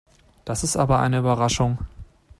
Das ist aber eine Überraschung.